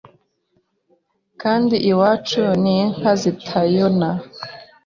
kandi iwacu n'inka zitayona